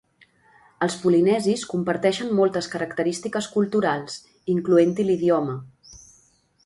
Els polinesis comparteixen moltes característiques culturals, incloent-hi l'idioma.